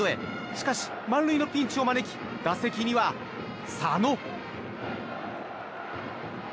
しかし、満塁のピンチを招き打席には佐野。